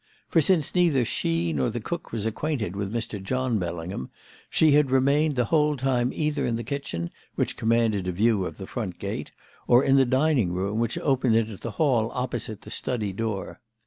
For since neither she nor the cook was acquainted with Mr. John Bellingham, she had remained the whole time either in the kitchen, which commanded a view of the front gate, or in the dining room, which opened into the hall opposite the study door.